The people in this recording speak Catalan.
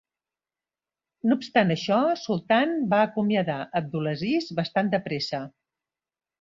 No obstant això, Sultan va acomiadar Abdulaziz bastant de pressa.